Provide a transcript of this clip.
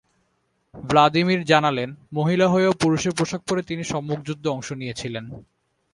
Vladimir জানালেন, মহিলা হয়েও পুরুষের পোশাক পরে তিনি সম্মুখযুদ্ধে অংশ নিয়েছিলেন।